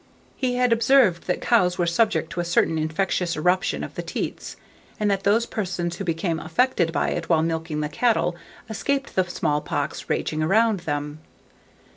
He had observed that cows were subject to a certain infectious eruption of the teats, and that those persons who became affected by it, while milking the cattle, escaped the small pox raging around them.